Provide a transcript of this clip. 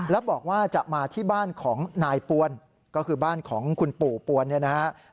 แล้วบอกว่าจะมาที่บ้านของนายปวนก็คือบ้านของคุณปู่ปวนเนี่ยนะครับ